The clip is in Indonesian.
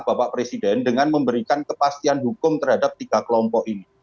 bapak presiden dengan memberikan kepastian hukum terhadap tiga kelompok ini